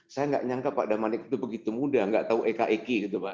saya nggak nyangka pak damanik itu begitu muda nggak tahu eka eki gitu pak